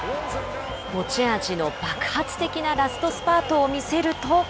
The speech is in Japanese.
持ち味の爆発的なラストスパートを見せると。